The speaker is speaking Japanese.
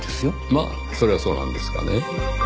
まあそれはそうなんですがね。